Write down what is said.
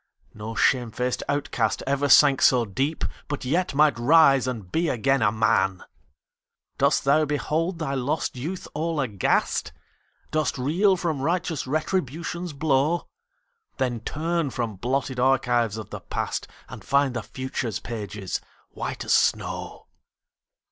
No shame faced outcast ever sank so deep, But yet might rise and be again a man ! Dost thou behold thy lost youth all aghast? Dost reel from righteous Retribution's blow? Then turn from blotted archives of the past, And find the future's pages white as snow.